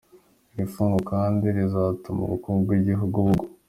Iri fungwa kandi rizatuma ubukungu bw’igihugu bugwa.